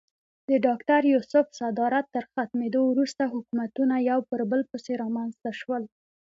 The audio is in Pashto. د ډاکټر یوسف صدارت تر ختمېدو وروسته حکومتونه یو پر بل پسې رامنځته شول.